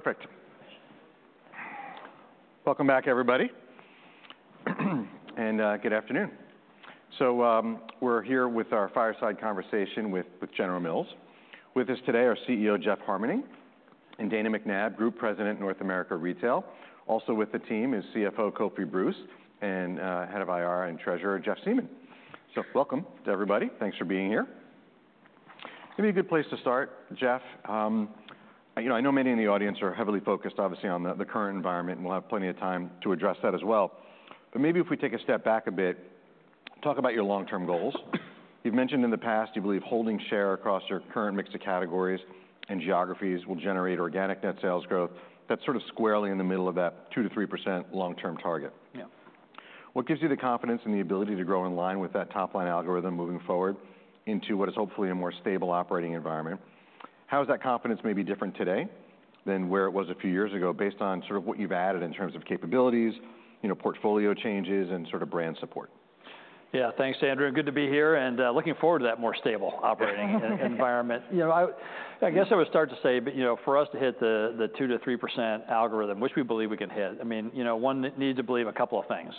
Perfect. Welcome back, everybody, and good afternoon. So, we're here with our fireside conversation with General Mills. With us today are CEO Jeff Harmening and Dana McNabb, Group President, North America Retail. Also with the team is CFO Kofi Bruce and Head of IR and Treasurer Jeff Siemon. So welcome to everybody. Thanks for being here. Give me a good place to start, Jeff. You know, I know many in the audience are heavily focused, obviously, on the current environment, and we'll have plenty of time to address that as well. But maybe if we take a step back a bit, talk about your long-term goals. You've mentioned in the past you believe holding share across your current mix of categories and geographies will generate organic net sales growth that's sort of squarely in the middle of that 2%-3% long-term target. Yeah. What gives you the confidence and the ability to grow in line with that top-line algorithm moving forward into what is hopefully a more stable operating environment? How is that confidence maybe different today than where it was a few years ago, based on sort of what you've added in terms of capabilities, you know, portfolio changes, and sort of brand support? Yeah, thanks, Andrew, good to be here, and looking forward to that more stable operating environment. You know, I guess I would start to say that, you know, for us to hit the 2%-3% algorithm, which we believe we can hit, I mean, you know, one needs to believe a couple of things.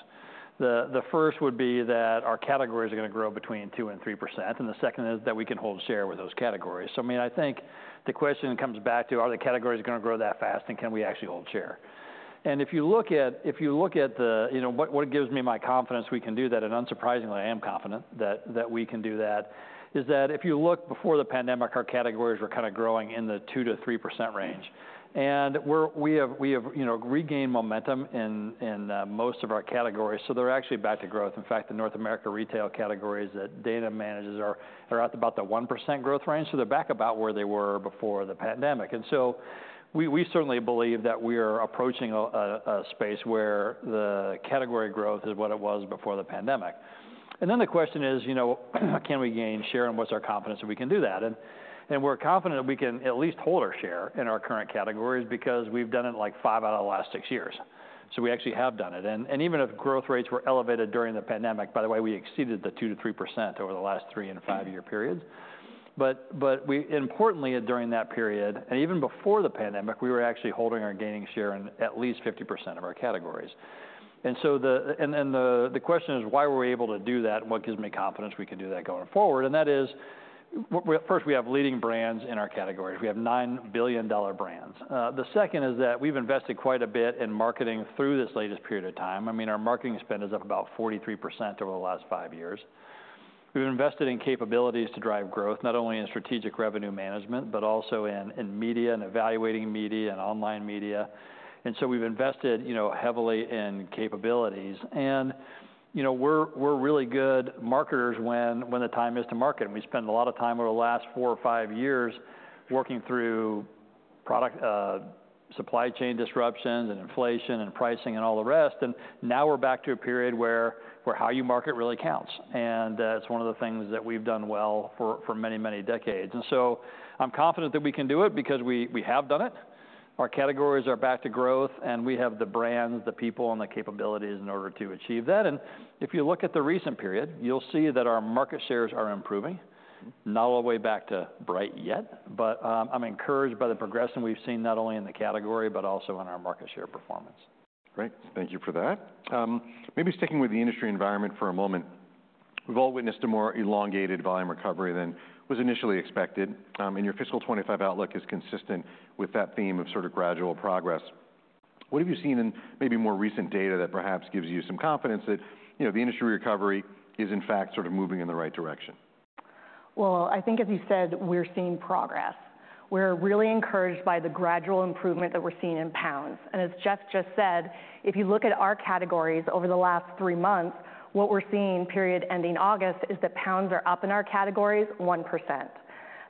The first would be that our categories are gonna grow between 2% and 3%, and the second is that we can hold share with those categories. So, I mean, I think the question comes back to, are the categories gonna grow that fast, and can we actually hold share? And if you look at the- You know, what gives me my confidence we can do that, and unsurprisingly, I am confident that we can do that, is that if you look before the pandemic, our categories were kind of growing in the 2%-3% range. And we have, you know, regained momentum in most of our categories, so they're actually back to growth. In fact, the North America Retail categories that Dana manages are at about the 1% growth range, so they're back about where they were before the pandemic. And so we certainly believe that we are approaching a space where the category growth is what it was before the pandemic. And then the question is, you know, can we gain share, and what's our confidence that we can do that? And we're confident that we can at least hold our share in our current categories because we've done it, like, five out of the last six years, so we actually have done it. And even if growth rates were elevated during the pandemic, by the way, we exceeded the 2%-3% over the last three- and five-year periods. But importantly, during that period, and even before the pandemic, we were actually holding or gaining share in at least 50% of our categories. And so then the question is, why were we able to do that, and what gives me confidence we can do that going forward? And that is, well, first, we have leading brands in our categories. We have nine billion-dollar brands. The second is that we've invested quite a bit in marketing through this latest period of time. I mean, our marketing spend is up about 43% over the last five years. We've invested in capabilities to drive growth, not only in Strategic Revenue Management, but also in media and evaluating media and online media, and so we've invested, you know, heavily in capabilities. And, you know, we're really good marketers when the time is to market, and we spent a lot of time over the last four or five years working through product supply chain disruptions and inflation and pricing and all the rest, and now we're back to a period where how you market really counts. And, it's one of the things that we've done well for many, many decades. And so I'm confident that we can do it because we have done it. Our categories are back to growth, and we have the brands, the people, and the capabilities in order to achieve that. And if you look at the recent period, you'll see that our market shares are improving. Not all the way back to right yet, but I'm encouraged by the progression we've seen, not only in the category but also in our market share performance. Great. Thank you for that. Maybe sticking with the industry environment for a moment, we've all witnessed a more elongated volume recovery than was initially expected, and your fiscal 2025 outlook is consistent with that theme of sort of gradual progress. What have you seen in maybe more recent data that perhaps gives you some confidence that, you know, the industry recovery is, in fact, sort of moving in the right direction? I think, as you said, we're seeing progress. We're really encouraged by the gradual improvement that we're seeing in pounds. And as Jeff just said, if you look at our categories over the last three months, what we're seeing, period ending August, is that pounds are up in our categories 1%.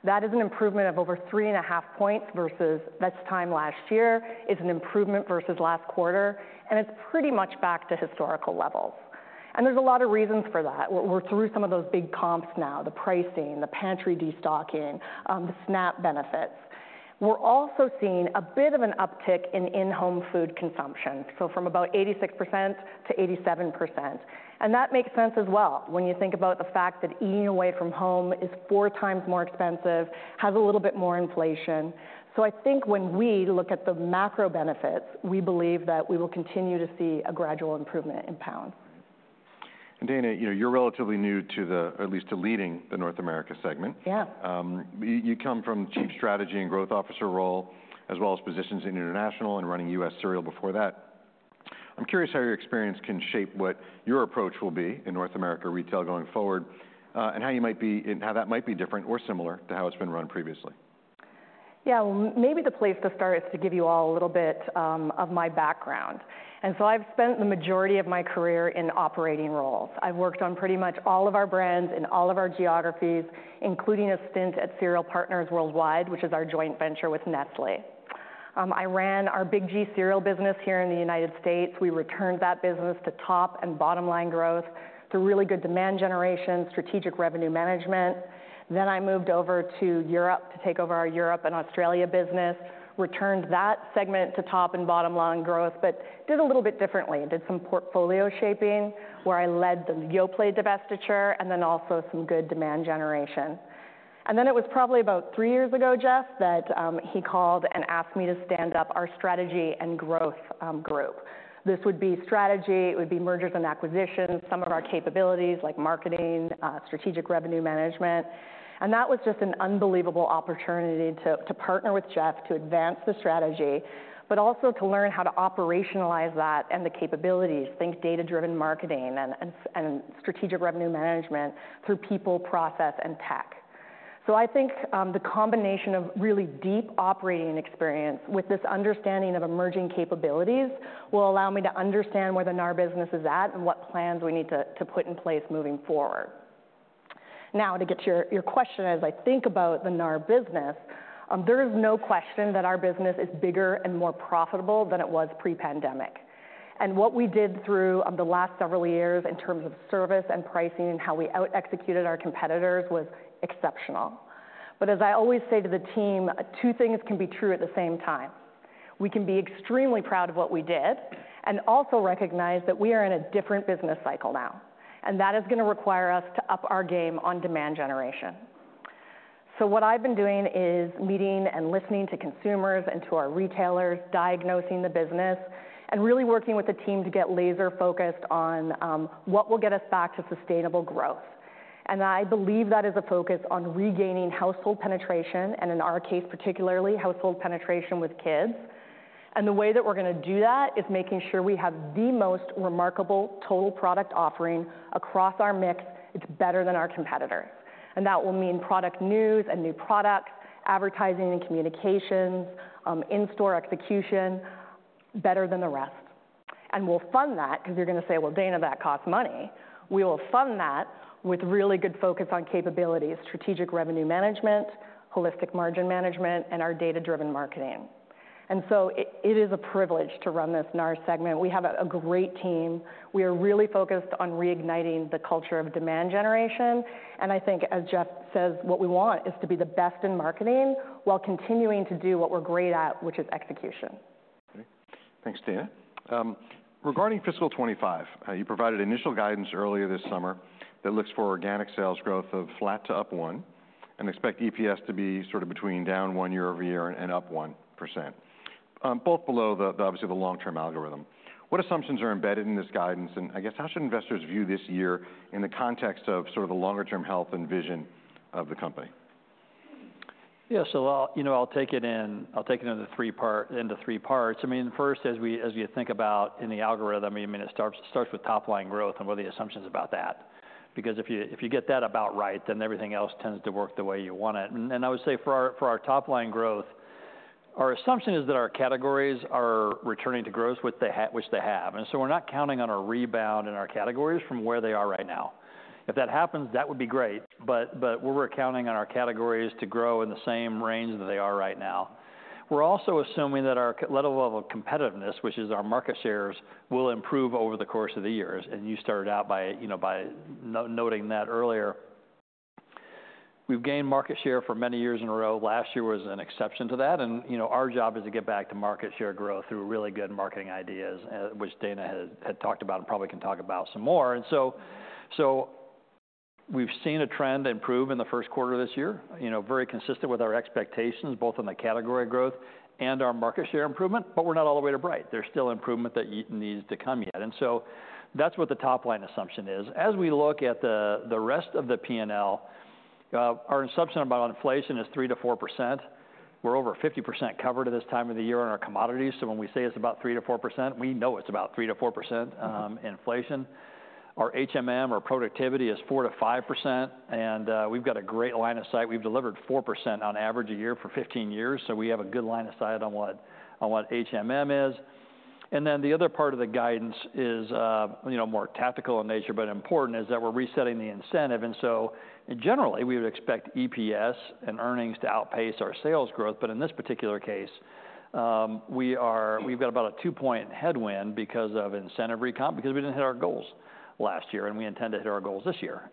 That is an improvement of over three and a half points versus this time last year. It's an improvement versus last quarter, and it's pretty much back to historical levels. And there's a lot of reasons for that. We're through some of those big comps now, the pricing, the pantry destocking, the SNAP benefits. We're also seeing a bit of an uptick in in-home food consumption, so from about 86% to 87%, and that makes sense as well when you think about the fact that eating away from home is four times more expensive, has a little bit more inflation. So I think when we look at the macro benefits, we believe that we will continue to see a gradual improvement in pounds. Dana, you know, you're relatively new, at least to leading the North America segment. Yeah. You come from Chief Strategy and Growth Officer role, as well as positions in international and running U.S. Cereal before that. I'm curious how your experience can shape what your approach will be in North America Retail going forward, and how that might be different or similar to how it's been run previously. Yeah, well, maybe the place to start is to give you all a little bit of my background. And so I've spent the majority of my career in operating roles. I've worked on pretty much all of our brands in all of our geographies, including a stint at Cereal Partners Worldwide, which is our joint venture with Nestlé. I ran our Big G Cereal business here in the United States. We returned that business to top and bottom-line growth, through really good demand generation, strategic revenue management. Then I moved over to Europe to take over our Europe and Australia business, returned that segment to top and bottom-line growth, but did a little bit differently. Did some portfolio shaping, where I led the Yoplait divestiture, and then also some good demand generation. And then it was probably about three years ago, Jeff, that he called and asked me to stand up our strategy and growth group. This would be strategy, it would be mergers and acquisitions, some of our capabilities, like marketing, Strategic Revenue Management. And that was just an unbelievable opportunity to partner with Jeff, to advance the strategy, but also to learn how to operationalize that and the capabilities, think data-driven marketing and Strategic Revenue Management through people, process, and tech. So I think the combination of really deep operating experience with this understanding of emerging capabilities will allow me to understand where the NAR business is at and what plans we need to put in place moving forward. Now, to get to your question, as I think about the NAR business, there is no question that our business is bigger and more profitable than it was pre-pandemic. And what we did through the last several years in terms of service and pricing and how we out-executed our competitors, was exceptional. But as I always say to the team, two things can be true at the same time. We can be extremely proud of what we did, and also recognize that we are in a different business cycle now, and that is going to require us to up our game on demand generation. So what I've been doing is meeting and listening to consumers and to our retailers, diagnosing the business, and really working with the team to get laser-focused on what will get us back to sustainable growth. I believe that is a focus on regaining household penetration, and in our case, particularly, household penetration with kids. The way that we're going to do that is making sure we have the most remarkable total product offering across our mix. It's better than our competitors. That will mean product news and new products, advertising and communications, in-store execution, better than the rest. We'll fund that, because you're going to say, "Well, Dana, that costs money." We will fund that with really good focus on capabilities, Strategic Revenue Management, Holistic Margin Management, and our data-driven marketing. So it is a privilege to run this NAR segment. We have a great team. We are really focused on reigniting the culture of demand generation, and I think, as Jeff says, what we want is to be the best in marketing, while continuing to do what we're great at, which is execution. Okay. Thanks, Dana. Regarding fiscal 2025, you provided initial guidance earlier this summer that looks for organic sales growth of flat to up 1%, and expect EPS to be sort of between down 1% year-over-year and up 1%. Both below, obviously, the long-term algorithm. What assumptions are embedded in this guidance? And I guess, how should investors view this year in the context of sort of the longer-term health and vision of the company? Yeah, so you know, I'll take it into three parts. I mean, first, as you think about in the algorithm, I mean, it starts with top-line growth and what are the assumptions about that. Because if you get that about right, then everything else tends to work the way you want it. And I would say for our top-line growth, our assumption is that our categories are returning to growth, which they have. And so we're not counting on a rebound in our categories from where they are right now. If that happens, that would be great, but we're counting on our categories to grow in the same range that they are right now. We're also assuming that our level of competitiveness, which is our market shares, will improve over the course of the years, and you started out by, you know, noting that earlier. We've gained market share for many years in a row. Last year was an exception to that, and, you know, our job is to get back to market share growth through really good marketing ideas, which Dana had talked about and probably can talk about some more. So we've seen a trend improve in the first quarter of this year, you know, very consistent with our expectations, both in the category growth and our market share improvement, but we're not all the way to right. There's still improvement that yet needs to come yet. So that's what the top-line assumption is. As we look at the rest of the P&L, our assumption about inflation is 3%-4%. We're over 50% covered at this time of the year in our commodities, so when we say it's about 3%-4%, we know it's about 3%-4% inflation. Our HMM, our productivity is 4%-5%, and we've got a great line of sight. We've delivered 4% on average a year for 15 years, so we have a good line of sight on what HMM is. Then the other part of the guidance is, you know, more tactical in nature, but important, is that we're resetting the incentive. Generally, we would expect EPS and earnings to outpace our sales growth, but in this particular case, we are. We've got about a two-point headwind because of incentive recomp, because we didn't hit our goals last year, and we intend to hit our goals this year.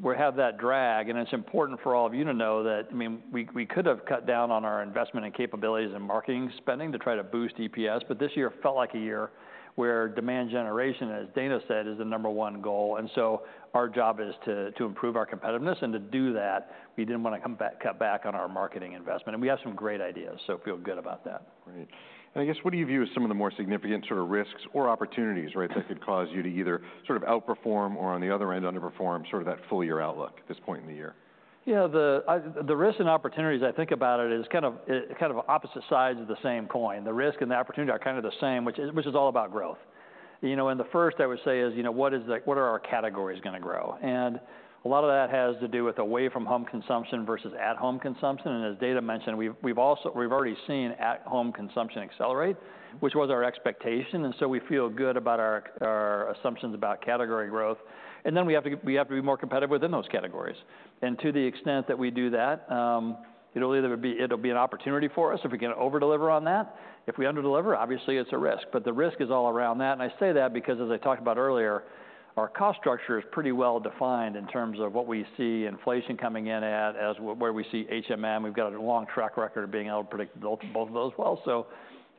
We have that drag, and it's important for all of you to know that. I mean, we could have cut down on our investment and capabilities and marketing spending to try to boost EPS, but this year felt like a year where demand generation, as Dana said, is the number one goal. Our job is to improve our competitiveness, and to do that, we didn't want to cut back on our marketing investment. We have some great ideas, so feel good about that. Great. And I guess, what do you view as some of the more significant sort of risks or opportunities, right, that could cause you to either sort of outperform or, on the other end, underperform, sort of that full year outlook at this point in the year? Yeah, the risk and opportunities, I think about it, is kind of, kind of opposite sides of the same coin. The risk and the opportunity are kind of the same, which is all about growth. You know, and the first I would say is, you know, what are our categories gonna grow? And a lot of that has to do with away-from-home consumption versus at-home consumption. And as Dana mentioned, we've already seen at-home consumption accelerate, which was our expectation, and so we feel good about our assumptions about category growth. And then we have to be more competitive within those categories. And to the extent that we do that, it'll be an opportunity for us if we can over-deliver on that. If we under-deliver, obviously, it's a risk, but the risk is all around that. And I say that because, as I talked about earlier, our cost structure is pretty well-defined in terms of what we see inflation coming in at, as where we see HMM. We've got a long track record of being able to predict both of those well. So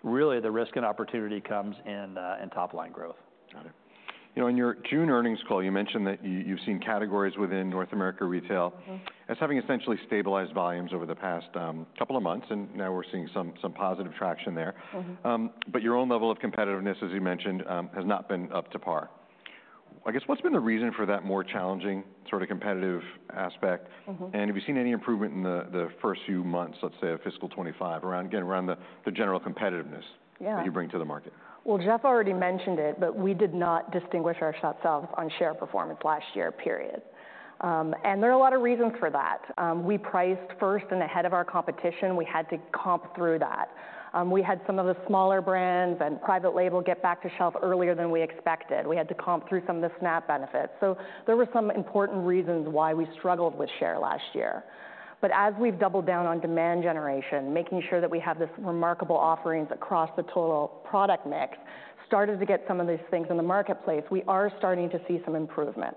really, the risk and opportunity comes in in top-line growth. Got it. You know, in your June earnings call, you mentioned that you've seen categories within North America Retail- Mm-hmm. as having essentially stabilized volumes over the past couple of months, and now we're seeing some positive traction there. Mm-hmm. But your own level of competitiveness, as you mentioned, has not been up to par. I guess, what's been the reason for that more challenging, sort of, competitive aspect? Mm-hmm. And have you seen any improvement in the first few months, let's say, of fiscal twenty-five, around the general competitiveness that you bring to the market? Jeff already mentioned it, but we did not distinguish ourselves on share performance last year, period. And there are a lot of reasons for that. We priced first and ahead of our competition, we had to comp through that. We had some of the smaller brands and private label get back to shelf earlier than we expected. We had to comp through some of the SNAP benefits. So there were some important reasons why we struggled with share last year. But as we've doubled down on demand generation, making sure that we have this remarkable offerings across the total product mix, started to get some of these things in the marketplace, we are starting to see some improvement.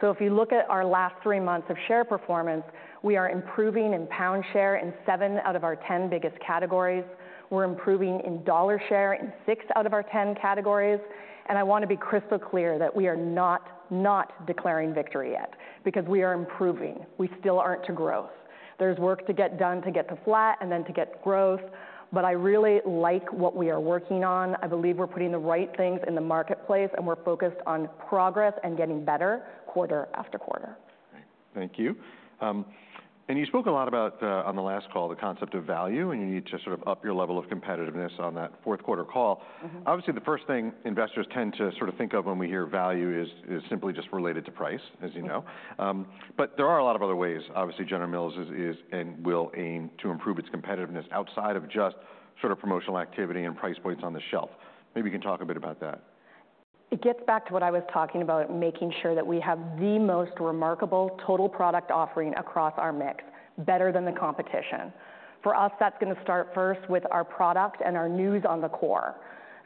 So if you look at our last three months of share performance, we are improving in pound share in seven out of our 10 biggest categories. We're improving in dollar share in six out of our 10 categories, and I want to be crystal clear that we are not not declaring victory yet, because we are improving. We still aren't to growth. There's work to get done to get to flat and then to get to growth, but I really like what we are working on. I believe we're putting the right things in the marketplace, and we're focused on progress and getting better quarter after quarter. Great. Thank you, and you spoke a lot about, on the last call, the concept of value, and you need to sort of up your level of competitiveness on that fourth quarter call. Mm-hmm. Obviously, the first thing investors tend to sort of think of when we hear value is simply just related to price, as you know. Mm-hmm. But there are a lot of other ways, obviously, General Mills is and will aim to improve its competitiveness outside of just sort of promotional activity and price points on the shelf. Maybe you can talk a bit about that. It gets back to what I was talking about, making sure that we have the most remarkable total product offering across our mix, better than the competition. For us, that's gonna start first with our product and our news on the core.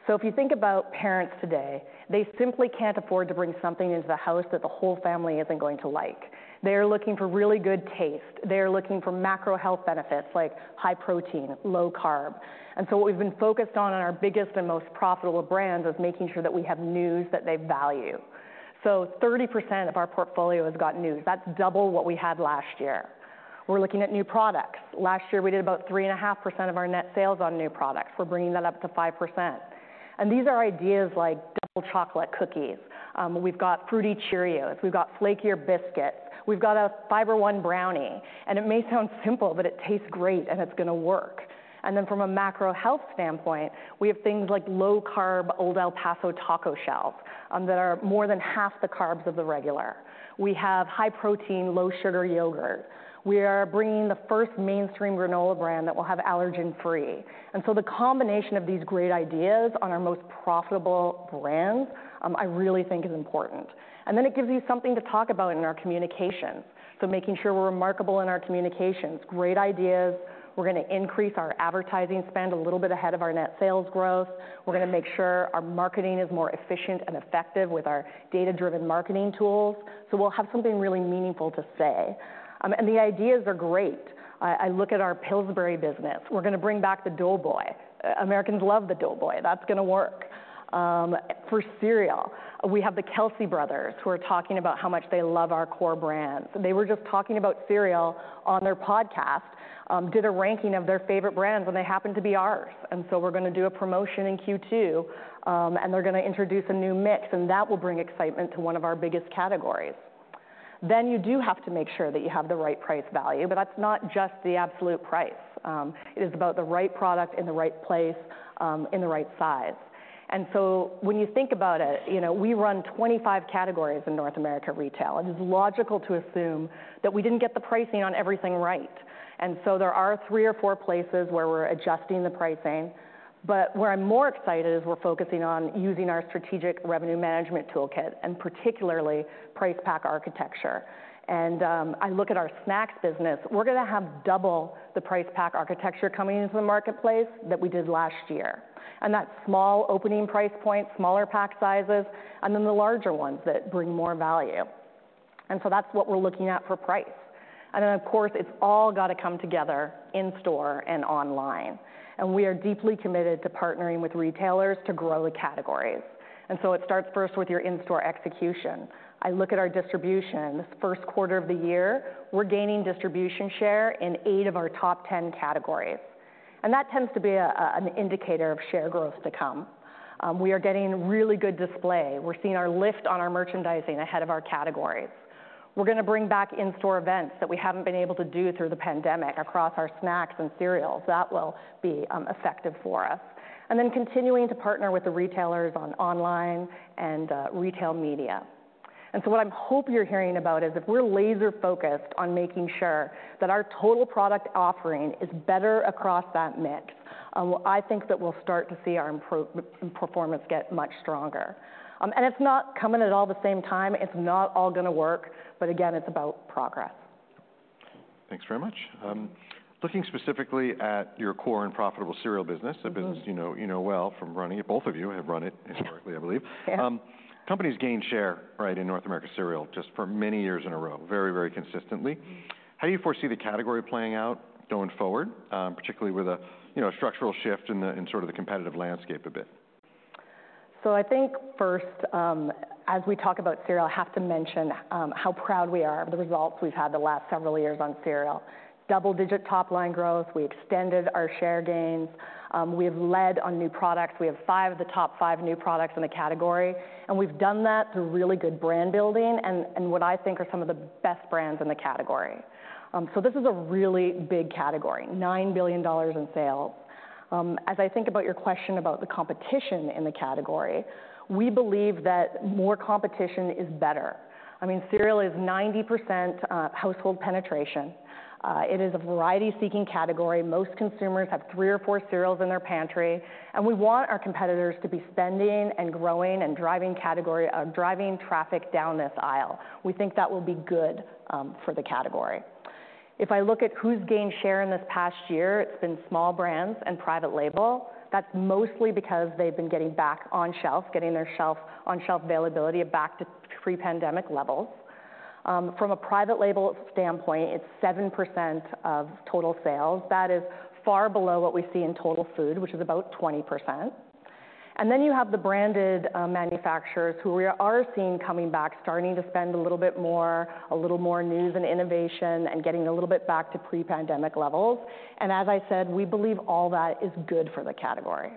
So if you think about parents today, they simply can't afford to bring something into the house that the whole family isn't going to like. They're looking for really good taste. They're looking for macro health benefits, like high protein, low carb. And so what we've been focused on in our biggest and most profitable brands is making sure that we have news that they value. So 30% of our portfolio has got news. That's double what we had last year. We're looking at new products. Last year, we did about 3.5% of our net sales on new products. We're bringing that up to 5%, and these are ideas like double chocolate cookies. We've got Fruity Cheerios. We've got flakier biscuits. We've got a Fiber One brownie, and it may sound simple, but it tastes great, and it's gonna work. From a macro health standpoint, we have things like low-carb Old El Paso taco shells that are more than half the carbs of the regular. We have high-protein, low-sugar yogurt. We are bringing the first mainstream granola brand that will have allergen-free. The combination of these great ideas on our most profitable brands, I really think is important. It gives you something to talk about in our communications. Making sure we're remarkable in our communications, great ideas. We're gonna increase our advertising spend a little bit ahead of our net sales growth. We're gonna make sure our marketing is more efficient and effective with our data-driven marketing tools, so we'll have something really meaningful to say. And the ideas are great. I look at our Pillsbury business. We're gonna bring back the Doughboy. Americans love the Doughboy. That's gonna work. For cereal, we have the Kelce brothers, who are talking about how much they love our core brands. They were just talking about cereal on their podcast, did a ranking of their favorite brands, and they happened to be ours. And so we're gonna do a promotion in Q2, and they're gonna introduce a new mix, and that will bring excitement to one of our biggest categories. Then, you do have to make sure that you have the right price value, but that's not just the absolute price. It is about the right product in the right place, in the right size. And so when you think about it, you know, we run 25 categories in North America Retail, and it's logical to assume that we didn't get the pricing on everything right. And so there are three or four places where we're adjusting the pricing, but where I'm more excited is we're focusing on using our Strategic Revenue Management toolkit, and particularly price pack architecture. And I look at our snacks business. We're gonna have double the price pack architecture coming into the marketplace than we did last year, and that's small opening price point, smaller pack sizes, and then the larger ones that bring more value. And so that's what we're looking at for price. And then, of course, it's all got to come together in-store and online, and we are deeply committed to partnering with retailers to grow the categories. So it starts first with your in-store execution. I look at our distribution. This first quarter of the year, we're gaining distribution share in eight of our top 10 categories, and that tends to be an indicator of share growth to come. We are getting really good display. We're seeing our lift on our merchandising ahead of our categories. We're gonna bring back in-store events that we haven't been able to do through the pandemic across our snacks and cereals. That will be effective for us. And then continuing to partner with the retailers on online and retail media. And so what I'm hoping you're hearing about is that we're laser-focused on making sure that our total product offering is better across that mix, and I think that we'll start to see our performance get much stronger. And it's not coming at all the same time. It's not all gonna work, but again, it's about progress. Thanks very much. Looking specifically at your core and profitable cereal business, a business you know well from running it, both of you have run it historically, I believe. Yeah. Companies gained share, right, in North America Cereal just for many years in a row, very, very consistently. How do you foresee the category playing out going forward, particularly with a, you know, structural shift in the, in sort of the competitive landscape a bit? I think first, as we talk about cereal, I have to mention how proud we are of the results we've had the last several years on cereal. Double-digit top-line growth. We extended our share gains. We have led on new products. We have five of the top five new products in the category, and we've done that through really good brand building and what I think are some of the best brands in the category. So this is a really big category, $9 billion in sales. As I think about your question about the competition in the category, we believe that more competition is better. I mean, cereal is 90% household penetration. It is a variety-seeking category. Most consumers have three or four cereals in their pantry, and we want our competitors to be spending and growing and driving category, driving traffic down this aisle. We think that will be good for the category. If I look at who's gained share in this past year, it's been small brands and private label. That's mostly because they've been getting back on shelf, getting on-shelf availability back to pre-pandemic levels. From a private label standpoint, it's 7% of total sales. That is far below what we see in total food, which is about 20%. And then you have the branded manufacturers who we are seeing coming back, starting to spend a little bit more, a little more news and innovation, and getting a little bit back to pre-pandemic levels. As I said, we believe all that is good for the category.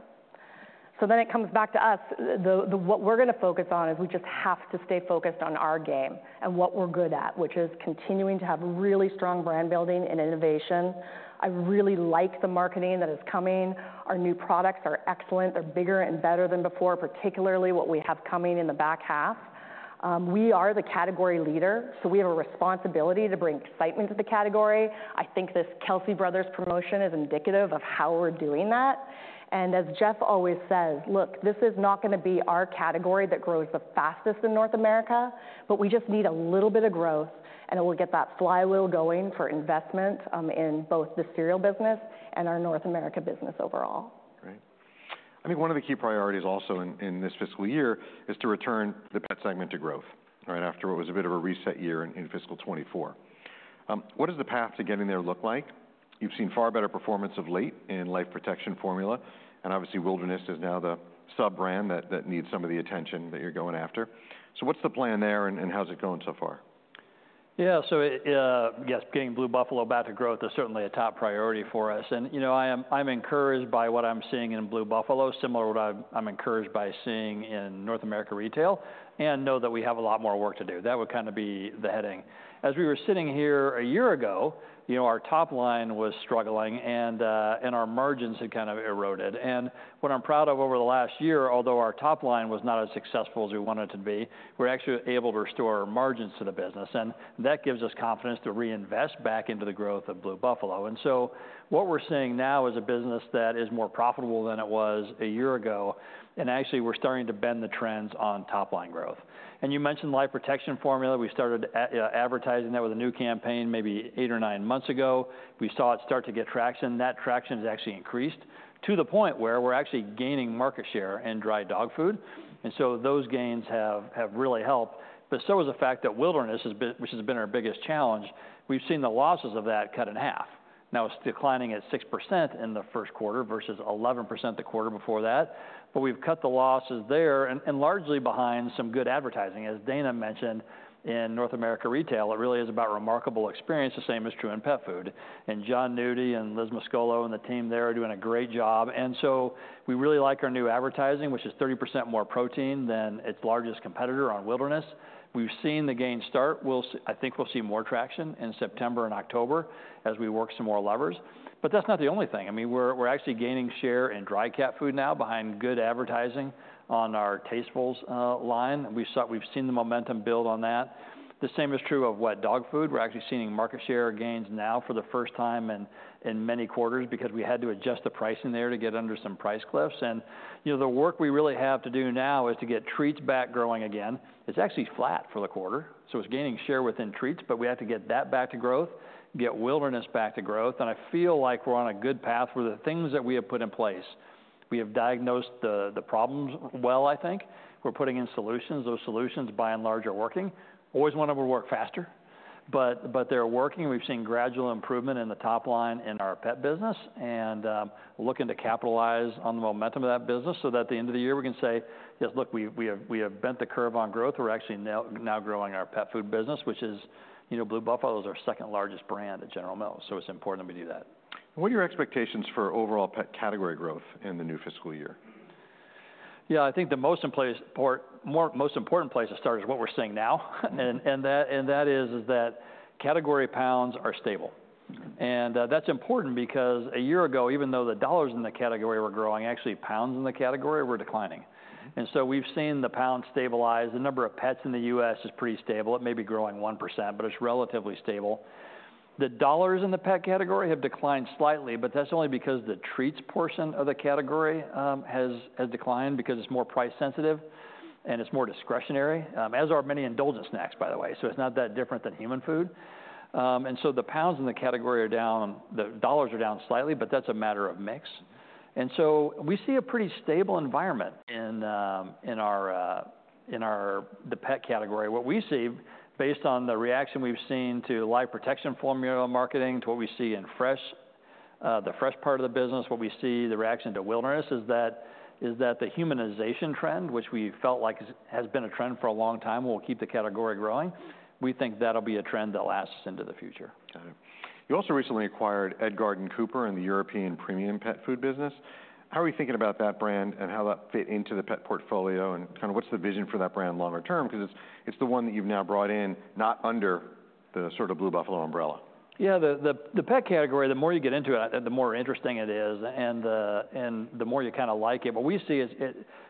It comes back to us. What we're gonna focus on is we just have to stay focused on our game and what we're good at, which is continuing to have really strong brand building and innovation. I really like the marketing that is coming. Our new products are excellent. They're bigger and better than before, particularly what we have coming in the back half. We are the category leader, so we have a responsibility to bring excitement to the category. I think this Kelce Brothers promotion is indicative of how we're doing that, and as Jeff always says, "Look, this is not gonna be our category that grows the fastest in North America, but we just need a little bit of growth, and it will get that flywheel going for investment in both the cereal business and our North America business overall. Great. I think one of the key priorities also in this fiscal year is to return the Pet segment to growth, right, after what was a bit of a reset year in fiscal 2024. What does the path to getting there look like? You've seen far better performance of late in Life Protection Formula, and obviously Wilderness is now the sub-brand that needs some of the attention that you're going after. So what's the plan there, and how's it going so far? Yeah. Yes, getting Blue Buffalo back to growth is certainly a top priority for us, and, you know, I'm encouraged by what I'm seeing in Blue Buffalo, similar to what I'm encouraged by seeing in North America Retail, and know that we have a lot more work to do. That would kind of be the heading. As we were sitting here a year ago, you know, our top line was struggling, and our margins had kind of eroded, and what I'm proud of over the last year, although our top line was not as successful as we want it to be, we're actually able to restore our margins to the business, and that gives us confidence to reinvest back into the growth of Blue Buffalo. And so what we're seeing now is a business that is more profitable than it was a year ago, and actually, we're starting to bend the trends on top line growth. And you mentioned Life Protection Formula. We started advertising that with a new campaign maybe eight or nine months ago. We saw it start to get traction. That traction has actually increased to the point where we're actually gaining market share in dry dog food, and so those gains have really helped. But so is the fact that Wilderness, which has been our biggest challenge, we've seen the losses of that cut in half. Now it's declining at 6% in the first quarter versus 11% the quarter before that, but we've cut the losses there and largely behind some good advertising. As Dana mentioned in North America Retail, it really is about remarkable experience. The same is true in pet food, and Jon Nudi and Liz Mascolo and the team there are doing a great job, and so we really like our new advertising, which is 30% more protein than its largest competitor on Wilderness. We've seen the gains start. We'll see. I think we'll see more traction in September and October as we work some more levers, but that's not the only thing. I mean, we're actually gaining share in dry cat food now behind good advertising on our Tastefuls line. We've seen the momentum build on that. The same is true of wet dog food. We're actually seeing market share gains now for the first time in many quarters because we had to adjust the pricing there to get under some price cliffs. You know, the work we really have to do now is to get treats back growing again. It's actually flat for the quarter, so it's gaining share within treats, but we have to get that back to growth, get Wilderness back to growth, and I feel like we're on a good path with the things that we have put in place. We have diagnosed the problems well, I think. We're putting in solutions. Those solutions, by and large, are working. Always want them to work faster, but they're working. We've seen gradual improvement in the top line in our pet business, and we're looking to capitalize on the momentum of that business so that at the end of the year we can say, "Yes, look, we have bent the curve on growth. We're actually now growing our pet food business, which is, you know, Blue Buffalo is our second largest brand at General Mills, so it's important that we do that. What are your expectations for overall pet category growth in the new fiscal year? Yeah, I think the most important place to start is what we're seeing now. And that is that category pounds are stable. And, that's important because a year ago, even though the dollars in the category were growing, actually pounds in the category were declining. And so we've seen the pounds stabilize. The number of pets in the U.S. is pretty stable. It may be growing 1%, but it's relatively stable. The dollars in the pet category have declined slightly, but that's only because the treats portion of the category has declined, because it's more price sensitive, and it's more discretionary, as are many indulgent snacks, by the way, so it's not that different than human food. And so the pounds in the category are down, the dollars are down slightly, but that's a matter of mix. And so we see a pretty stable environment in the pet category. What we see, based on the reaction we've seen to Life Protection Formula marketing, to what we see in fresh, the fresh part of the business, what we see the reaction to Wilderness, is that, is that the humanization trend, which we felt like has, has been a trend for a long time, will keep the category growing. We think that'll be a trend that lasts into the future. Got it. You also recently acquired Edgard & Cooper in the European premium pet food business. How are you thinking about that brand and how that fit into the pet portfolio? And kind of what's the vision for that brand longer term? Because it's, it's the one that you've now brought in, not under the sort of Blue Buffalo umbrella. Yeah, the pet category, the more you get into it, the more interesting it is and the more you kind of like it. What we see is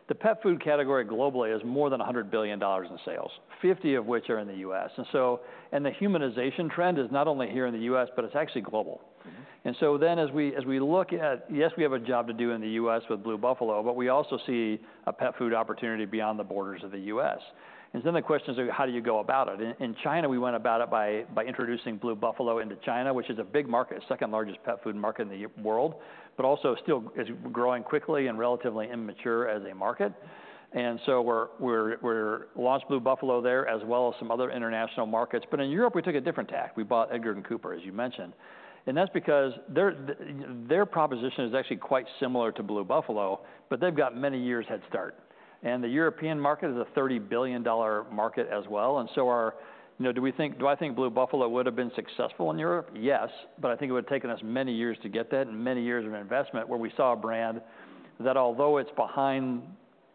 the pet food category globally is more than $100 billion in sales, $50 billion of which are in the U.S. The humanization trend is not only here in the U.S., but it's actually global. Mm-hmm. And so then as we look at, yes, we have a job to do in the U.S. with Blue Buffalo, but we also see a pet food opportunity beyond the borders of the U.S. And then the question is: Well, how do you go about it? In China, we went about it by introducing Blue Buffalo into China, which is a big market, second largest pet food market in the world, but also still is growing quickly and relatively immature as a market. And so we launched Blue Buffalo there, as well as some other international markets. But in Europe, we took a different tack. We bought Edgard & Cooper, as you mentioned, and that's because their proposition is actually quite similar to Blue Buffalo, but they've got many years head start. And the European market is a $30 billion market as well, and so our- you know, do we think - do I think Blue Buffalo would've been successful in Europe? Yes, but I think it would've taken us many years to get there and many years of investment, where we saw a brand that, although it's behind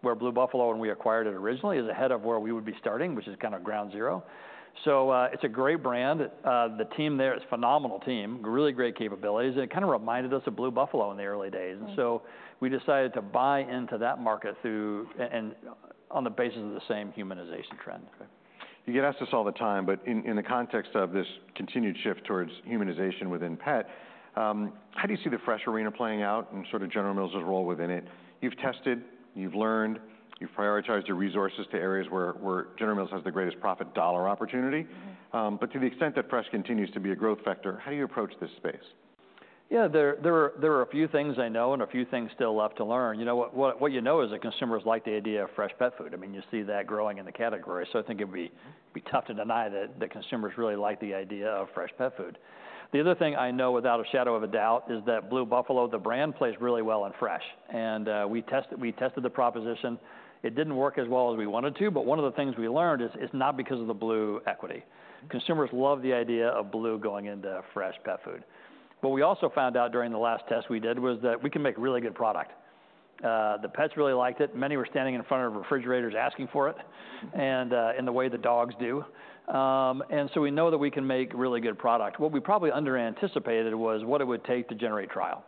where Blue Buffalo when we acquired it originally, is ahead of where we would be starting, which is kind of ground zero. So, it's a great brand. The team there is a phenomenal team, really great capabilities, and it kind of reminded us of Blue Buffalo in the early days. Mm-hmm. And so we decided to buy into that market through- and on the basis of the same humanization trend. Okay. You get asked this all the time, but in the context of this continued shift towards humanization within pet, how do you see the fresh arena playing out and sort of General Mills' role within it? You've tested, you've learned, you've prioritized your resources to areas where General Mills has the greatest profit dollar opportunity. But to the extent that fresh continues to be a growth vector, how do you approach this space? Yeah, there are a few things I know and a few things still left to learn. You know, what you know is that consumers like the idea of fresh pet food. I mean, you see that growing in the category, so I think it'd be tough to deny that the consumers really like the idea of fresh pet food. The other thing I know without a shadow of a doubt is that Blue Buffalo, the brand, plays really well in fresh. And we tested the proposition. It didn't work as well as we wanted it to, but one of the things we learned is it's not because of the Blue equity. Mm-hmm. Consumers love the idea of Blue going into fresh pet food. What we also found out during the last test we did was that we can make really good product. The pets really liked it. Many were standing in front of refrigerators asking for it, and in the way that dogs do, and so we know that we can make really good product. What we probably under anticipated was what it would take to generate trial,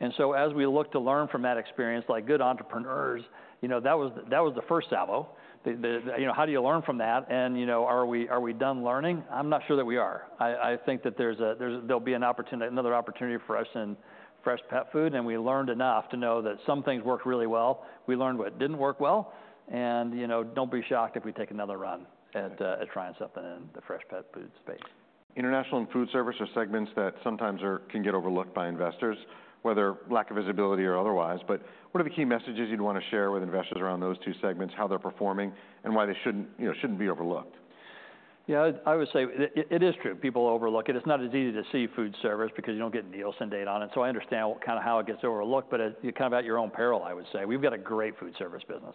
and so as we look to learn from that experience, like good entrepreneurs, you know, that was the first salvo. You know, how do you learn from that, you know, are we done learning? I'm not sure that we are. I think that there'll be an opportunity, another opportunity for us in fresh pet food, and we learned enough to know that some things worked really well. We learned what didn't work well, and, you know, don't be shocked if we take another run at trying something in the fresh pet food space. International and Foodservice are segments that sometimes can get overlooked by investors, whether lack of visibility or otherwise. But what are the key messages you'd want to share with investors around those two segments, how they're performing, and why they shouldn't, you know, be overlooked? Yeah, I would say it is true. People overlook it. It's not as easy to see Foodservice because you don't get Nielsen data on it, so I understand kind of how it gets overlooked, but you're kind of at your own peril, I would say. We've got a great Foodservice business.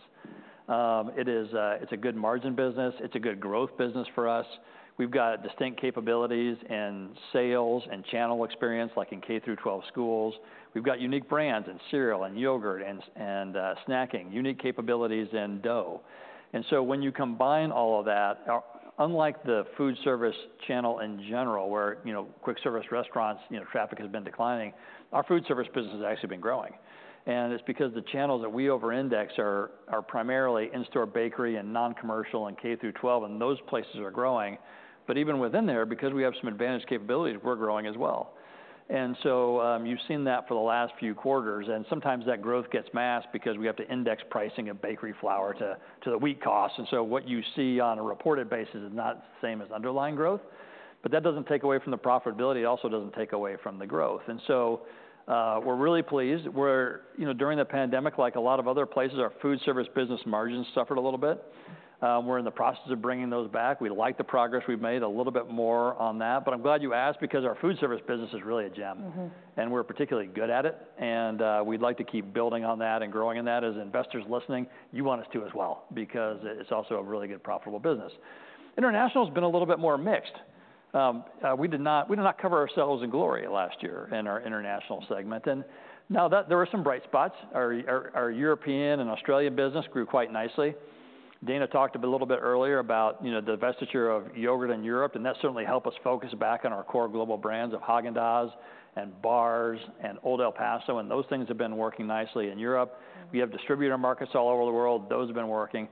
It is, it's a good margin business. It's a good growth business for us. We've got distinct capabilities in sales and channel experience, like in K-12 schools. We've got unique brands in cereal, in yogurt, and snacking, unique capabilities in dough. And so when you combine all of that, our unlike the Foodservice channel in general, where, you know, quick service restaurants, you know, traffic has been declining, our Foodservice business has actually been growing. And it's because the channels that we over index are primarily in-store bakery and non-commercial and K through twelve, and those places are growing. But even within there, because we have some advantaged capabilities, we're growing as well. And so, you've seen that for the last few quarters, and sometimes that growth gets masked because we have to index pricing of bakery flour to the wheat costs. And so what you see on a reported basis is not the same as underlying growth, but that doesn't take away from the profitability. It also doesn't take away from the growth. And so, we're really pleased. We're... You know, during the pandemic, like a lot of other places, our Foodservice business margins suffered a little bit. We're in the process of bringing those back. We like the progress we've made, a little bit more on that. But I'm glad you asked, because our Foodservice business is really a gem. Mm-hmm. And we're particularly good at it, and we'd like to keep building on that and growing in that. As investors listening, you want us to as well, because it's also a really good, profitable business. International has been a little bit more mixed. We did not cover ourselves in glory last year in our international segment. And now there were some bright spots. Our European and Australian business grew quite nicely. Dana talked a little bit earlier about, you know, the divestiture of yogurt in Europe, and that certainly helped us focus back on our core global brands of Häagen-Dazs and bars and Old El Paso, and those things have been working nicely in Europe. We have distributor markets all over the world. Those have been working,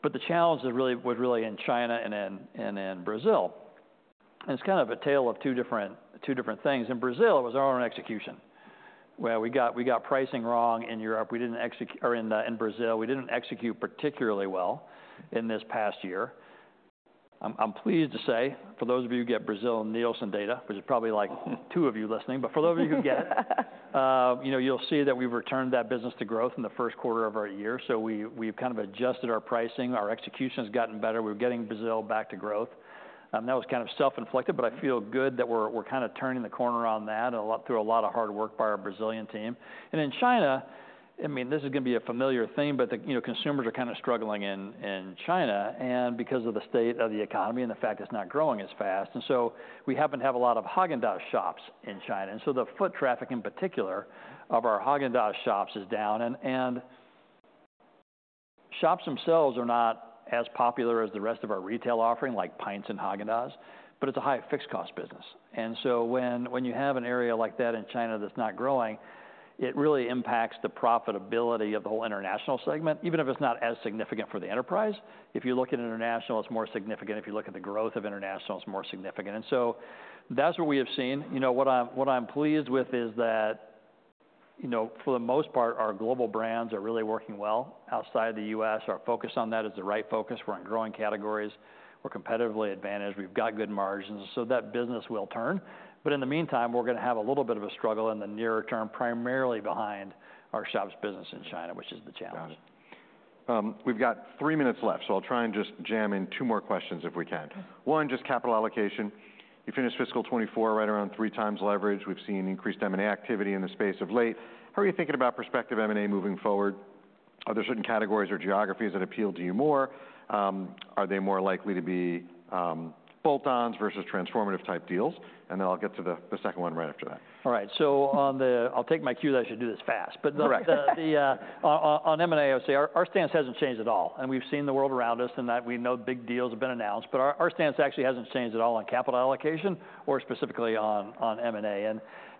but the challenge is really, was really in China and in Brazil, and it's kind of a tale of two different, two different things. In Brazil, it was our own execution, where we got, we got pricing wrong in Europe. We didn't execute particularly well in Brazil in this past year. I'm pleased to say, for those of you who get Brazil Nielsen data, which is probably, like, two of you listening, but for those of you who get it, you know, you'll see that we've returned that business to growth in the first quarter of our year, so we've kind of adjusted our pricing. Our execution's gotten better. We're getting Brazil back to growth. That was kind of self-inflicted, but I feel good that we're kind of turning the corner on that, a lot, through a lot of hard work by our Brazilian team. In China, I mean, this is gonna be a familiar theme, but you know, consumers are kind of struggling in China, and because of the state of the economy and the fact it's not growing as fast, and so we happen to have a lot of Häagen-Dazs shops in China. So the foot traffic, in particular, of our Häagen-Dazs shops is down, and shops themselves are not as popular as the rest of our retail offering, like pints in Häagen-Dazs, but it's a high fixed cost business. And so when you have an area like that in China that's not growing, it really impacts the profitability of the whole international segment, even if it's not as significant for the enterprise. If you look at international, it's more significant. If you look at the growth of international, it's more significant. And so, that's what we have seen. You know, what I'm pleased with is that, you know, for the most part, our global brands are really working well outside the U.S. Our focus on that is the right focus. We're on growing categories. We're competitively advantaged. We've got good margins, so that business will turn. But in the meantime, we're gonna have a little bit of a struggle in the nearer term, primarily behind our shops business in China, which is the challenge. Got it. We've got three minutes left, so I'll try and just jam in two more questions if we can. One, just capital allocation. You finished fiscal 2024 right around three times leverage. We've seen increased M&A activity in the space of late. How are you thinking about prospective M&A moving forward? Are there certain categories or geographies that appeal to you more? Are they more likely to be bolt-ons versus transformative-type deals? And then I'll get to the second one right after that. All right, so on the... I'll take my cue that I should do this fast, but the- Correct. On M&A, I'd say our stance hasn't changed at all, and we've seen the world around us, and that we know big deals have been announced. But our stance actually hasn't changed at all on capital allocation or specifically on M&A.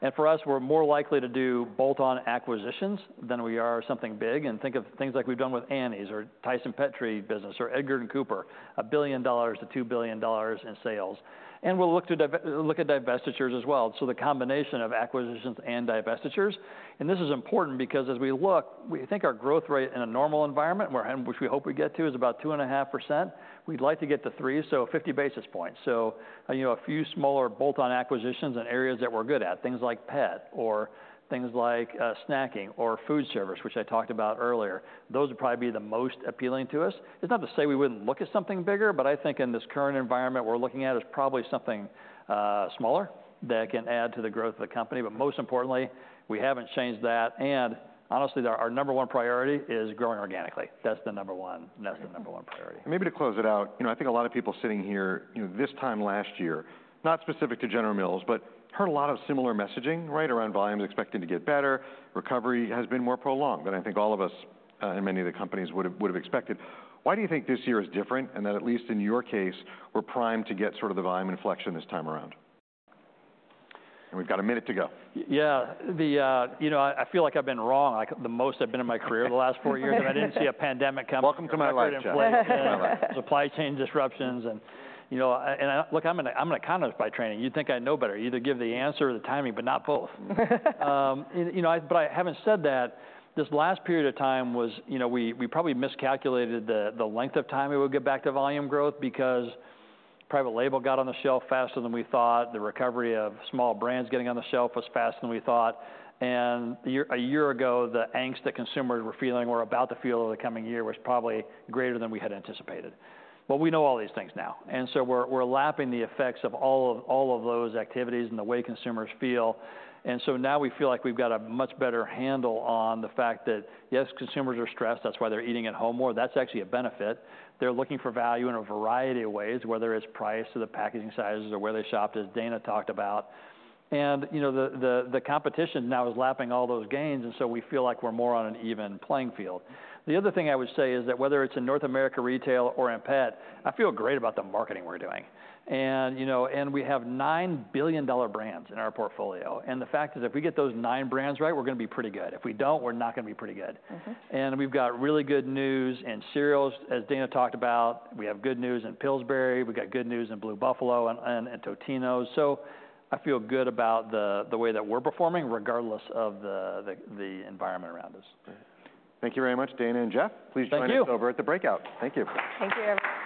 And for us, we're more likely to do bolt-on acquisitions than we are something big, and think of things like we've done with Annie's or Tyson Pet business or Edgard & Cooper, $1 billion to $2 billion in sales, and we'll look to look at divestitures as well, so the combination of acquisitions and divestitures. And this is important because as we look, we think our growth rate in a normal environment, where and which we hope we get to, is about 2.5%. We'd like to get to 3%, so 50 basis points. So, you know, a few smaller bolt-on acquisitions in areas that we're good at, things like pet or things like, snacking or Foodservice, which I talked about earlier. Those would probably be the most appealing to us. It's not to say we wouldn't look at something bigger, but I think in this current environment we're looking at, it's probably something, smaller that can add to the growth of the company. But most importantly, we haven't changed that, and honestly, our number one priority is growing organically. That's the number one, and that's the number one priority. Maybe to close it out, you know, I think a lot of people sitting here, you know, this time last year, not specific to General Mills, but heard a lot of similar messaging, right? Around volumes expecting to get better, recovery has been more prolonged than I think all of us, and many of the companies would've expected. Why do you think this year is different, and that at least in your case, we're primed to get sort of the volume inflection this time around? And we've got a minute to go. Yeah, you know, I feel like I've been wrong, like, the most I've been in my career the last four years. And I didn't see a pandemic coming. Welcome to my life, Jeff. Supply chain disruptions and, you know, I... Look, I'm an economist by training. You'd think I'd know better. Either give the answer or the timing, but not both. You know, but having said that, this last period of time was, you know, we probably miscalculated the length of time we would get back to volume growth because private label got on the shelf faster than we thought. The recovery of small brands getting on the shelf was faster than we thought, and a year ago, the angst that consumers were feeling or about to feel in the coming year was probably greater than we had anticipated. But we know all these things now, and so we're lapping the effects of all of those activities and the way consumers feel. And so now we feel like we've got a much better handle on the fact that, yes, consumers are stressed, that's why they're eating at home more. That's actually a benefit. They're looking for value in a variety of ways, whether it's price to the packaging sizes or where they shopped, as Dana talked about. And, you know, the competition now is lapping all those gains, and so we feel like we're more on an even playing field. The other thing I would say is that whether it's in North America Retail or in pet, I feel great about the marketing we're doing. And, you know, and we have nine billion-dollar brands in our portfolio, and the fact is, if we get those nine brands right, we're gonna be pretty good. If we don't, we're not gonna be pretty good. And we've got really good news in cereals, as Dana talked about. We have good news in Pillsbury. We've got good news in Blue Buffalo and Totino’s. So I feel good about the way that we're performing, regardless of the environment around us. Great. Thank you very much, Dana and Jeff. Thank you. Please join us over at the breakout. Thank you. Thank you, everyone.